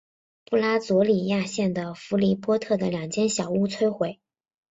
布拉佐里亚县的弗里波特的两间小屋摧毁。